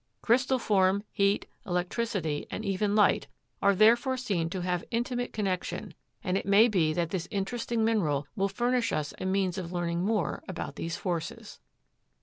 Crystal form, heat, electricity, and even light, are therefore seen to have intimate connection, and it may be that this interesting mineral will furnish us a means of learning more about these forces.